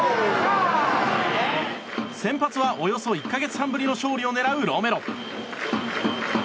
先発はおよそ１か月半ぶりの勝利を狙うロメロ。